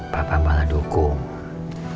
papa malah dukung